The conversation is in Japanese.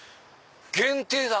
限定だ！